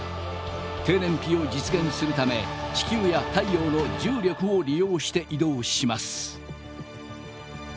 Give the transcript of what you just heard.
低燃費を実現するため地球や太陽の重力を利用して移動します。